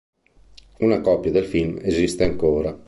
Una copia del film esiste ancora.